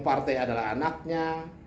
partai adalah anaknya